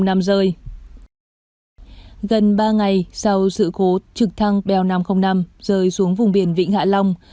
gần ba ngày sau sự cố trực thăng bèo năm trăm linh năm rơi xuống vùng biển vịnh hạ long